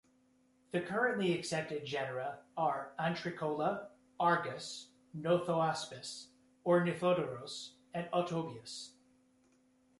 The currently accepted genera are "Antricola", "Argas", "Nothoaspis", "Ornithodoros", and "Otobius".